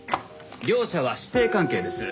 両者は師弟関係です。